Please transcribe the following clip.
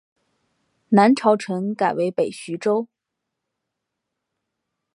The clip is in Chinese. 南朝陈改为北徐州。